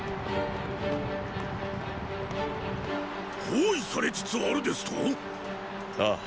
包囲されつつあるですと⁉ああ。